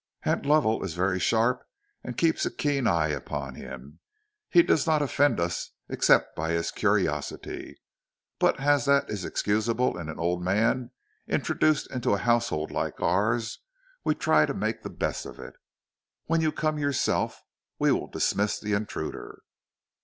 Aunt Lovell is very sharp and keeps a keen eye upon him. He does not offend us except by his curiosity, but as that is excusable in an old man introduced into a household like ours, we try to make the best of it. When you come yourself we will dismiss the intruder.